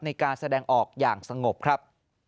ในการแสดงออกอย่างสงบครับ